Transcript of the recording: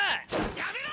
・やめろ！